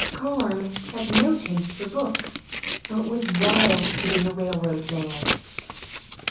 Carm had no taste for books, but was wild to be a railroad man.